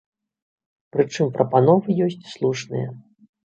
Прычым прапановы ёсць слушныя.